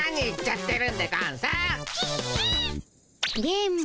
電ボ